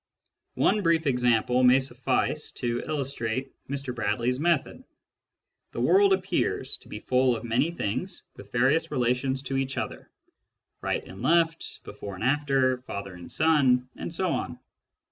One brief example may suffice to illustrate Mr Bradley's method. The world appears to be full of many things with various relations to each other — right and left, before and after, father and son, and so on.